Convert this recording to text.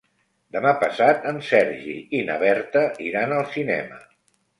Demà passat en Sergi i na Berta iran al cinema.